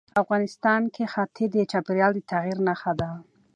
افغانستان کې ښتې د چاپېریال د تغیر نښه ده.